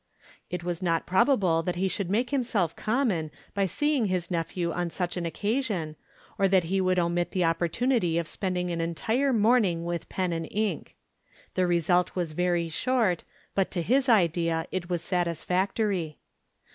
It was not probable that he would make himself common by seeing his nephew on such an occasion, or that he would omit the opportunity of spending an entire morning with pen and ink. The result was very short, but, to his idea, it was satisfactory.